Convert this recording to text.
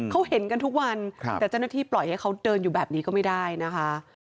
เขาเห็นกันทุกวันแต่เจ้าหน้าที่ปล่อยให้เขาเดินอยู่แบบนี้ก็ไม่ได้นะคะ